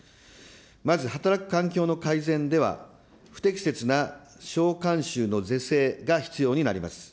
まず働く環境の改善では、不適切な商慣習の是正が必要になります。